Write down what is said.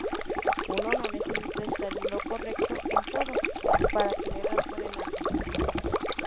Uno no necesita estar en lo correcto en todo, para tener razón en algo.